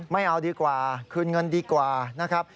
ไม่เอาดีกว่าคืนเงินดีกว่านะครับ